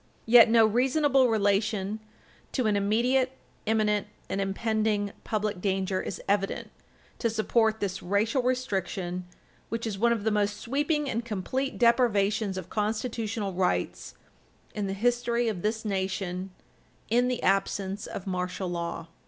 Yet no reasonable relation to an "immediate, imminent, and impending" public danger is evident to support this racial restriction, which is one of the most sweeping and complete deprivations of constitutional rights in the history of this nation in the absence of martial law.